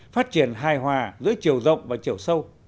phát triển hài hòa giữa chiều rộng và chiều sâu